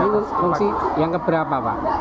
pengungsi yang keberapa pak